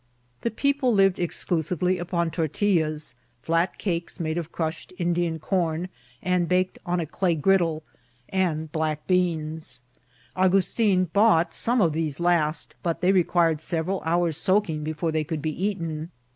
The people lived ex clusively upon tortillas — ^flat cakes made of crushed Indian com, and baked on a clay griddle — and black beans. Augustin bought some of these last, but they required several hours' soaking before they could be eaten.